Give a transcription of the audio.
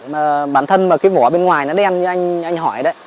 mà bản thân mà cái vỏ bên ngoài nó đen như anh hỏi đấy